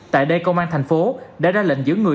tại đây công an tp hcm đã ra lệnh giữ người